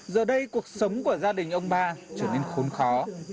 giờ đây cuộc sống của gia đình ông ba trở nên khốn khó